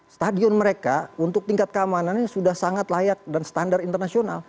stadion mereka untuk tingkat keamanannya sudah sangat layak dan standar internasional